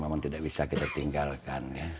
memang tidak bisa kita tinggalkan